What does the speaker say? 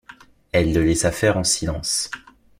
Elle le laissa faire en silence.